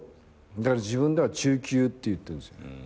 だから自分では中級って言ってるんです。